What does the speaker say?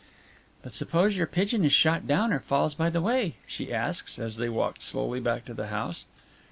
"But suppose your pigeon is shot down or falls by the way?" she asked, as they walked slowly back to the house.